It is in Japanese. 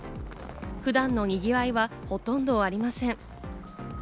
普段の賑わいはほとんどありません。